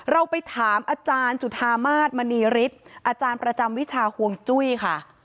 เราไปถามอาจารย์จุธามาศมณีฤทธิ์อาจารย์ประจำวิชาห่วงจุ้ยค่ะ